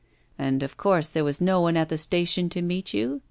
'And, of course, there was no one at the station to meet you?